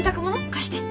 貸して！